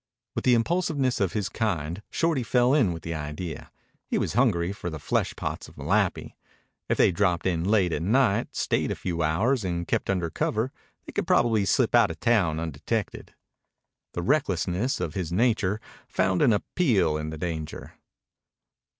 With the impulsiveness of his kind, Shorty fell in with the idea. He was hungry for the fleshpots of Malapi. If they dropped in late at night, stayed a few hours, and kept under cover, they could probably slip out of town undetected. The recklessness of his nature found an appeal in the danger.